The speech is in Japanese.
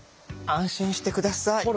安心して下さい。